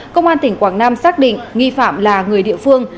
công an tỉnh quảng nam xác định nghi phạm là người địa phương